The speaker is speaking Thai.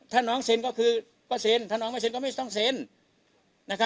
ถ้าน้องเซ็นก็คือก็เซ็นถ้าน้องไม่เซ็นก็ไม่ต้องเซ็น